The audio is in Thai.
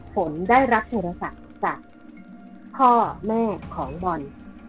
ฝนได้รับโทรศัพท์จากพ่อแม่ของบอล